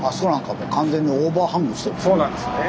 そうなんですよね。